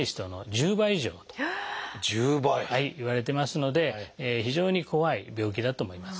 １０倍！いわれてますので非常に怖い病気だと思います。